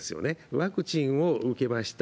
ワクチンを受けました、